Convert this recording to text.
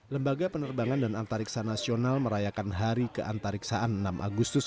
lembaga penerbangan dan antariksa nasional merayakan hari keantariksaan enam agustus